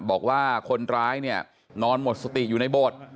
บอกว่าคนร้ายเนี่ยนอนหมดสติอยู่ในโบสถ์